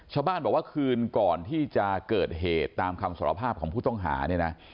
ชาวบ้านบอกว่าคืนก่อนที่จะเกิดเหตุตามคำสารภาพของผู้ต้องหาเนี่ยนะ